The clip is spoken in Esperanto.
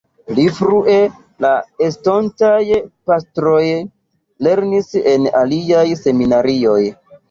Pli frue la estontaj pastroj lernis en aliaj seminarioj.